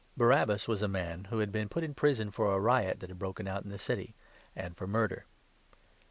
(Barabbas was a man who had been put in prison for a riot that had broken out in the city and for murder.)